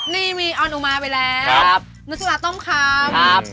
นี่มีออนอุมาไปแล้วนุษยาต้มครับ